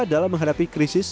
dalam menghadapi krisis